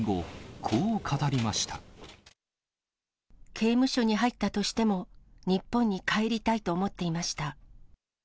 刑務所に入ったとしても、日本に帰りたいと思っていました。